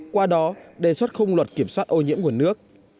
qua đó đề xuất khung luật kiểm soát ô nhiễm nguồn nước